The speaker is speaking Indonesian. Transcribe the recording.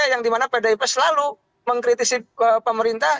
yang dimana pdip selalu mengkritisi pemerintah